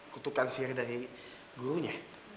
kutukan sihir dari gurunya